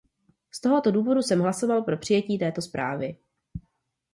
Z tohoto důvodu jsem hlasoval pro přijetí této zprávy.